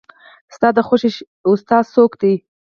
ستا د خوښې ښوونکي څوک دی؟